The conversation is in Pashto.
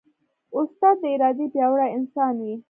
استاد د ارادې پیاوړی انسان وي.